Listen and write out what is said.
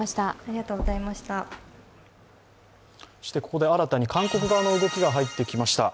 ここで新たに韓国側の動きが入ってきました。